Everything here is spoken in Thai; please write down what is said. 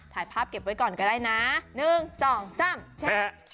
ถ่ายภาพเก็บไว้ก่อนก็ได้นะ๑๒๓ใช่ไหม